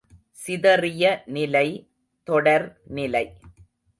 சிதறிய நிலை, தொடர் நிலை.